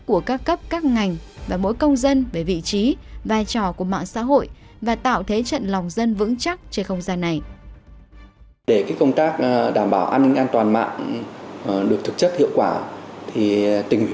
của các cấp các ngành và mỗi công dân về vị trí vai trò của mạng xã hội và tạo thế trận lòng dân vững chắc trên không gian này